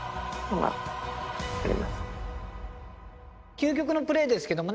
究極のプレーですけどもね藤田さん